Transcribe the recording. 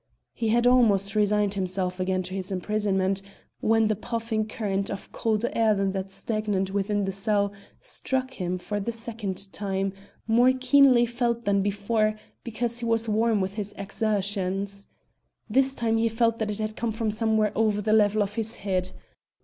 He had almost resigned himself again to his imprisonment when the puffing current of colder air than that stagnant within the cell struck him for the second time, more keenly felt than before, because he was warm with his exertions. This time he felt that it had come from somewhere over the level of his head.